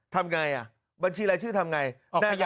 ทำยังไงบัญชีรายชื่อทำยังไง